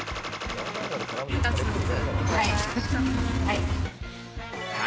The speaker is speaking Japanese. ○○、２つずつ。